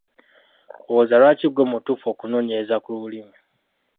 Olowooza lwaki ggwe mutuufu okunoonyereza ku lulimi?